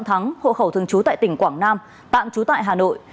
thắng hộ khẩu thường trú tại tỉnh quảng nam tạm trú tại hà nội